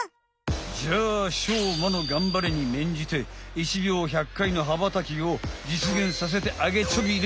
じゃあしょうまのがんばりにめんじて１秒１００回の羽ばたきをじつげんさせてあげちょびれ。